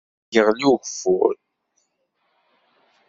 Ad yeɣli ugeffur